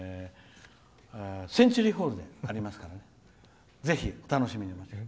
センチュリーホールでありますからぜひ、お楽しみに。